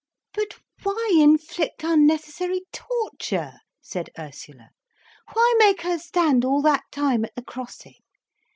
"But why inflict unnecessary torture?" said Ursula. "Why make her stand all that time at the crossing?